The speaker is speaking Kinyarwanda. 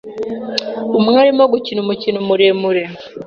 Umwe arimo gukina umukino muremure